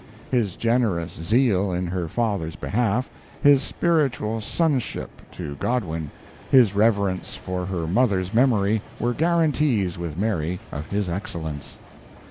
His generous zeal in her father's behalf, his spiritual sonship to Godwin, his reverence for her mother's memory, were guarantees with Mary of his excellence.